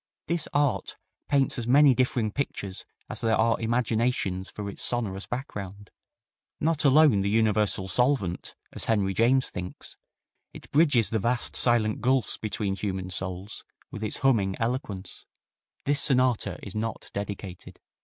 This art paints as many differing pictures as there are imaginations for its sonorous background; not alone the universal solvent, as Henry James thinks, it bridges the vast, silent gulfs between human souls with its humming eloquence. This sonata is not dedicated.